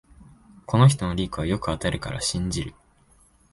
この人のリークはよく当たるから信じる